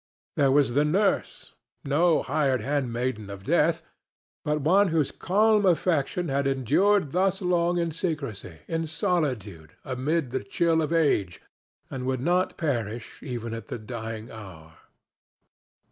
There was the nurse—no hired handmaiden of Death, but one whose calm affection had endured thus long in secrecy, in solitude, amid the chill of age, and would not perish even at the dying hour.